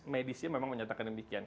medisnya memang menyatakan demikian